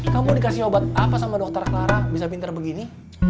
kamu dikasih obat apa sama dokter clara bisa pinter begini